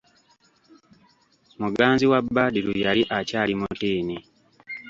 Muganzi wa Badru yali akyali mutiini.